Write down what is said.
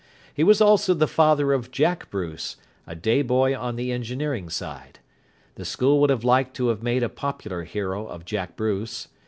He was also the father of Jack Bruce, a day boy on the engineering side. The school would have liked to have made a popular hero of Jack Bruce.